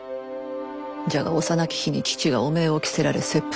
じゃが幼き日に父が汚名を着せられ切腹。